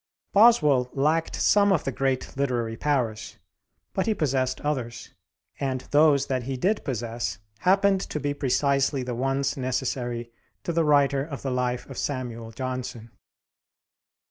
Boswell lacked some of the great literary powers, but he possessed others, and those that he did possess happened to be precisely the ones necessary to the writer of the life of Samuel Johnson.